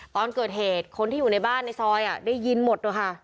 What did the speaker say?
ตอนเกิดเหตุคนที่อยู่ในบ้านในซอยได้ยินหมดนะคะ